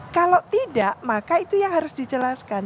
kalau tidak maka itu ya harus dijelaskan